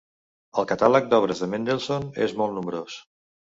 El catàleg d'obres de Mendelssohn és molt nombrós.